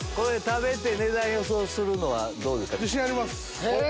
食べて値段予想するのはどうですか？